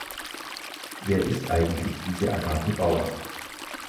Wer ist eigentlich diese Agathe Bauer?